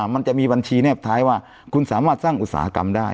มันจะมีบัญชีแนบท้ายว่าคุณสามารถสร้างอุตสาหกรรมได้